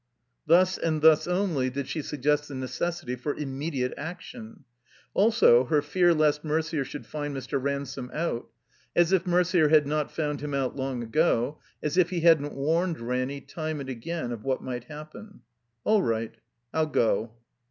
Thus and thus only did she suggest the necessity for immediate action. Also her fear lest Merder shotdd find Mr. Ransome out. As if Merder had not found him out long ago ; as if he hadn't warned Ranny, time and again, of what might happen. "All right, I'll go."